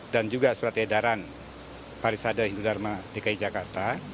dan juga surat edaran parisada hindu dharma dki jakarta